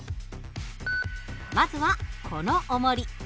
まずはこのおもり。